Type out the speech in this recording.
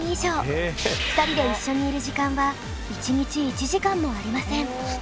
２人で一緒にいる時間は１日１時間もありません。